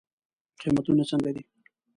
قیمتونه څنګه دی؟